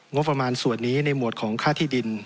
งบประมาณส่วนนี้ในหมวดของค่าที่ดิน